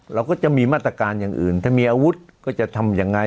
เราก็จะมีมาตรการอย่างอื่นถ้ามีอาวุธก็จะทำยังไง